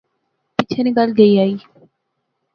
پچھے نی گل گئی آئی